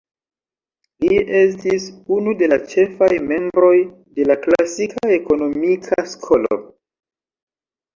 Li estis unu de la ĉefaj membroj de la Klasika ekonomika skolo.